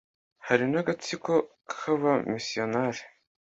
hari n'agatsiko k'abamisiyonari